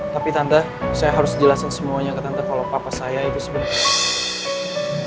tapi tante saya harus jelasin semuanya ke tante kalau papa saya itu sebenarnya